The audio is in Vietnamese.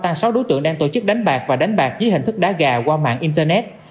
tăng sáu đối tượng đang tổ chức đánh bạc và đánh bạc dưới hình thức đá gà qua mạng internet